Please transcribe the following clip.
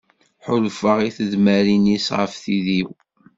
Ḥulfaɣ i tedmarin-is ɣef tid-iw.